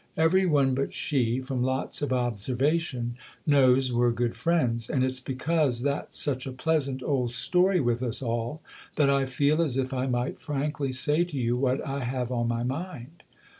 Every one but she from lots of observation knows we're good friends, and it's because that's such a pleasant old story with us all that I feel as if I might frankly say to you what I have on my mind."